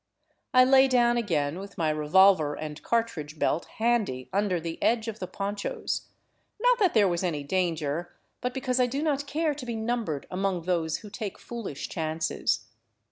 I lay down again with my revolver and cartridge belt handy under the edge of the ponchos; not that there was any danger, but because I do not care to be numbered among those who take foolish chances.